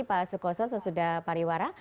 pak sukoso sesudah pariwara